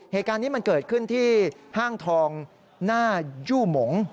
เหตุการณ์นี้มันเกิดขึ้นที่ห้างทองหน้ายู่หมง